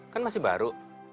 kan masih baru